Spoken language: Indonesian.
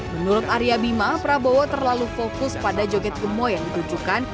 menurut arya bima prabowo terlalu fokus pada joget gemo yang ditujukan